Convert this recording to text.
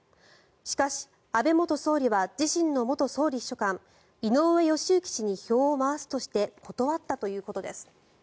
しかし、安倍元総理は自身の元総理秘書官井上義行氏に票を回すとして断ったということです。